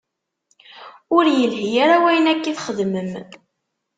Ur ilhi ara wayen akka i txedmem.